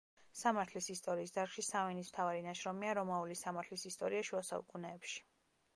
სამართლის ისტორიის დარგში სავინის მთავარი ნაშრომია „რომაული სამართლის ისტორია შუა საუკუნეებში“.